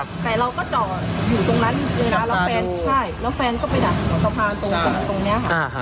แต่เราก็จออยู่ตรงนั้นเลยนะแล้วแฟนก็ไปดักตรงสะพานตรงนี้ค่ะ